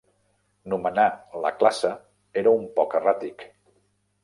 Nomenar la classe era un poc erràtic.